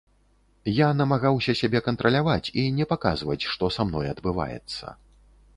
Я намагаўся сябе кантраляваць і не паказваць, што са мной адбываецца.